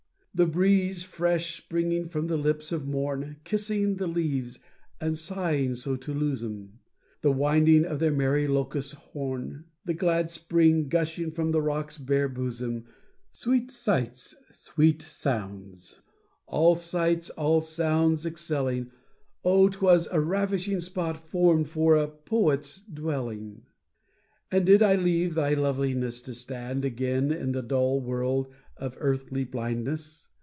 The breeze fresh springing from the lips of morn, Kissing the leaves, and sighing so to lose 'em, The winding of the merry locust's horn, The glad spring gushing from the rock's bare bosom: Sweet sights, sweet sounds, all sights, all sounds excelling, Oh! 'twas a ravishing spot formed for a poet's dwelling. And did I leave thy loveliness, to stand Again in the dull world of earthly blindness?